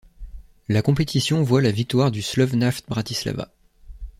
La compétition voit la victoire du Slovnaft Bratislava.